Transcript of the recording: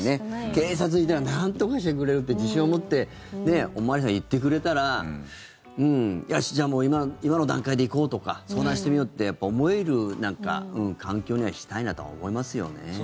警察に言ったらなんとかしてくれるって自信を持ってお巡りさんが言ってくれたらよし、じゃあもう今の段階で行こうとか相談してみようって思える環境にはしたいなと思いますね。